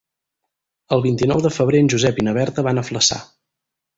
El vint-i-nou de febrer en Josep i na Berta van a Flaçà.